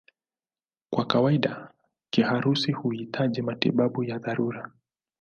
Kwa kawaida kiharusi huhitaji matibabu ya dharura.